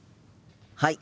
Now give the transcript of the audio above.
はい。